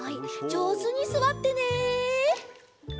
じょうずにすわってね！